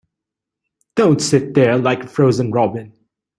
Don't sit there like a frozen robin.